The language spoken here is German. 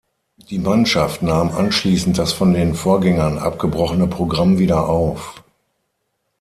Die Mannschaft nahm anschließend das von den Vorgängern abgebrochene Programm wieder auf.